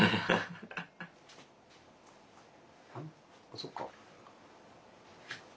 そっか。